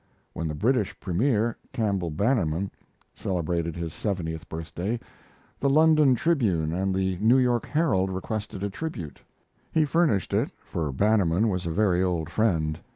When the British Premier, Campbell Bannerman, celebrated his seventieth birthday, the London Tribune and the New York Herald requested a tribute. He furnished it, for Bannerman was a very old friend.